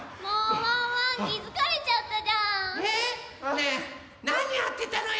ねえなにやってたのよ？